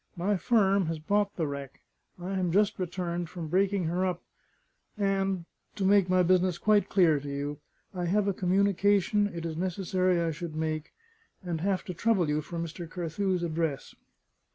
My firm has bought the wreck; I am just returned from breaking her up; and to make my business quite clear to you I have a communication it is necessary I should make; and have to trouble you for Mr. Carthew's address."